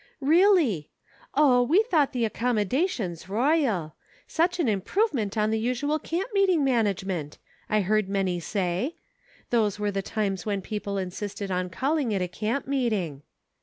" Really ; oh ! we thought the accommodations royal. * Such an improvement on the usual camp meeting management,' I heard many say ; those were the times when people insisted on calling it a camp meeting.